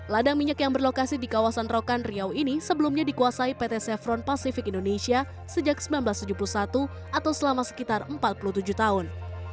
ladang minyak yang berlokasi di kawasan rokan riau ini sebelumnya dikuasai pt sevron pacific indonesia sejak seribu sembilan ratus tujuh puluh satu atau selama sekitar empat puluh tujuh tahun